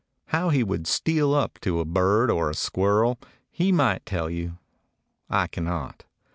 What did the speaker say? How he would steal up to a bird or a squirrel he might tell you; I cannot.